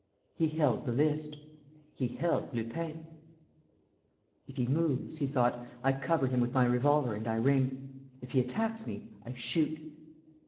He held the list. He held Lupin: "If he moves," he thought, "I cover him with my revolver and I ring. If he attacks me, I shoot."